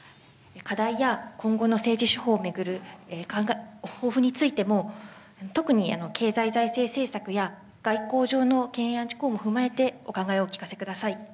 課題や今後の政治手法を巡る抱負についても、特に経済財政政策や外交上の懸案事項も踏まえて、お考えをお聞かせください。